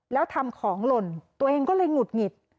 แล้วทำของหล่นตัวเองก็เลยหงุดหงิด